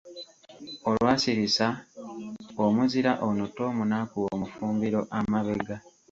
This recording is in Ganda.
Olwasirissa, omuzira ono Tom n'akuba omufumbiro amabega.